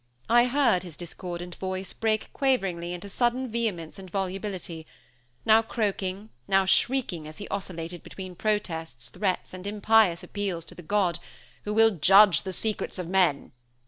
I heard his discordant voice break quaveringly into sudden vehemence and volubility; now croaking now shrieking as he oscillated between protests, threats, and impious appeals to the God who will "judge the secrets of men!"